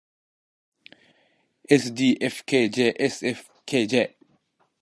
ｓｄｆｋｊｓｆｋｊ